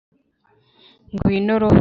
ngwino roho